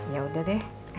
ya udah deh